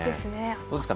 どうですか？